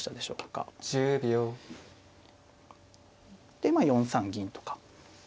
でまあ４三銀とか。